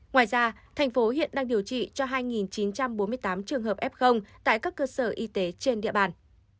ngoài ra thành phố hiện đang điều trị cho hai chín trăm bốn mươi tám trường hợp f tại các cơ sở y tế trên địa bàn